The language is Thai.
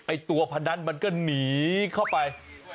ตัวพนันมันก็หนีเข้าไป